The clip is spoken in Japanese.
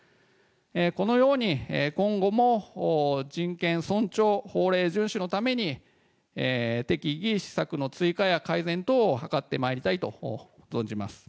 このように今後も人権尊重、法令順守のために、適宜施策の追加や改善等を図ってまいりたいと存じます。